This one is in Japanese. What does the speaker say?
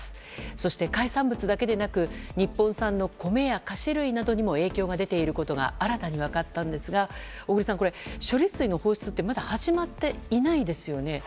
そして、海産物だけでなく日本産の米や菓子類にも影響が出ていることが新たに分かったんですが小栗さん、処理水の放出はまだ始まっていないですよね。